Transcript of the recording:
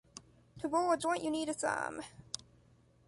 To roll a joint you need a thumb.